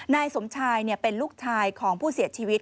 นายสมชายเป็นลูกชายของผู้เสียชีวิต